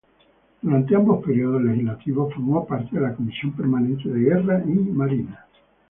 Durante ambos períodos legislativos formó parte de la Comisión permanente de Guerra y Marina.